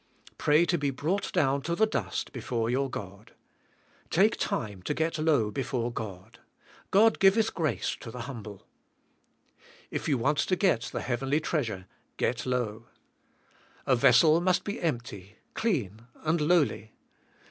Pray to be brought down to the dust before your God. Take time to get low before God. God giveth grace to the humble. If you want to get the heavenly treas Thk hkavkni^y trkasurk. 171 ure, g'et low. A vessel must be empty, clean and lowly.